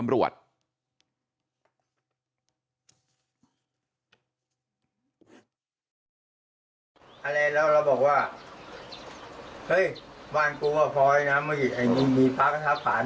แล้วเราบอกว่าเฮ้ยบ้านกูอ่ะพอไอ้น้ำไม่หยิดอันนี้มีภาพธรรมภาษณ์